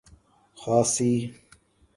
کھاسی